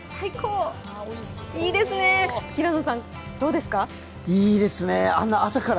いいですねー、平野さん、どうですか？